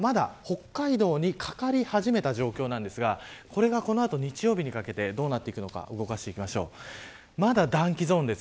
これがまだ、北海道にかかり始めた状況ですがこれがこの後、日曜日にかけてどうなっていくのか動かしていきましょう。